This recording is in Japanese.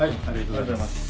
ありがとうございます。